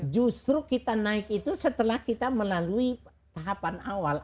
justru kita naik itu setelah kita melalui tahapan awal